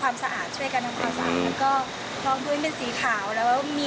แล้วทีนี้ก็ทำความสะอาดช่วยกันทำความสะอาด